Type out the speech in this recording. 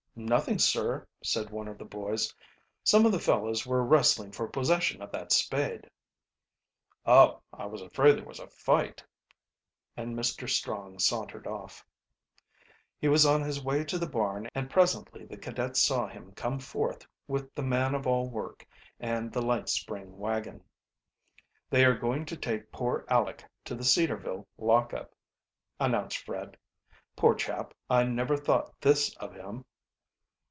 "Nothing, sir," said one of the boy. "Some of the fellows were wrestling for possession of that spade." "Oh, I was afraid there was a fight," and Mr. Strong sauntered off. He was on his way to the barn, and presently the cadets saw him come forth with the man of fall work and the light spring wagon. "They are going to take poor Aleck to the Cedarville lock up," announced Fred. "Poor chap, I never thought this of him!"